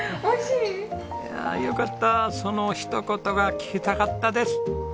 いやあよかったそのひと言が聞きたかったです！